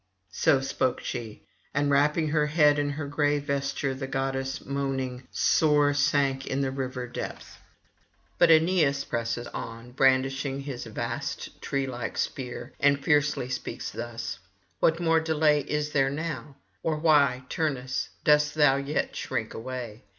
So spoke she, and wrapping her head in her gray vesture, the goddess moaning sore sank in the river depth. But Aeneas presses on, brandishing his vast tree like spear, and fiercely speaks thus: 'What more delay is there [889 924]now? or why, Turnus, dost thou yet shrink away?